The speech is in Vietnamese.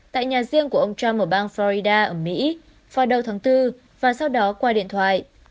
tại nhà riêng của ông trump ở bang florida ở mỹ vào đầu tháng bốn và sau đó qua điện thoại